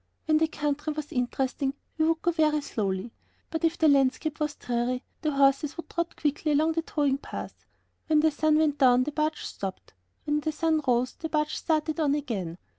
When the country was interesting we would go very slowly, but if the landscape was dreary, the horses would trot quickly along the towing path. When the sun went down the barge stopped; when the sun rose the barge started on again.